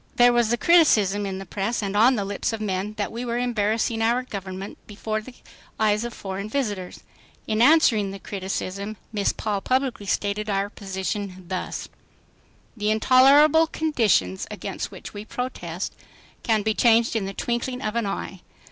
There was the criticism in the press and on the lips of men that we were embarrassing our Government before the eyes of foreign visitors. In answering the criticism, Miss Paul publicly stated our position thus: "The intolerable conditions against which we protest can be changed in the twinkling of an eye.